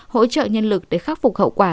hỗ trợ nhân lực để khắc phục hậu quả